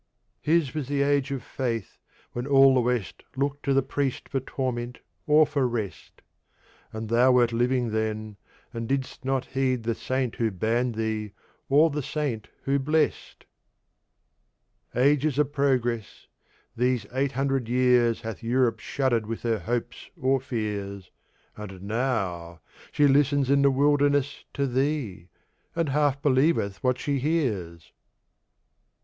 His was the Age of Faith, when all the West Looked to the Priest for torment or for rest; And thou wert living then, and didst not heed The Saint who banned thee or the Saint who blessed! Ages of Progress! These eight hundred years Hath Europe shuddered with her hopes or fears, And now! she listens in the wilderness To thee, and half believeth what she hears!